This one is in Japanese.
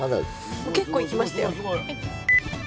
結構行きましたよ。